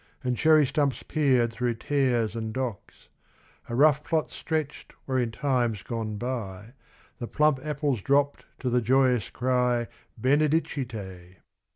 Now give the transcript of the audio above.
And cherry stumps peered through tares and docks ; A rough plot stretched where in times gone by The plump apples dropped to the joyous cry, Benedicite.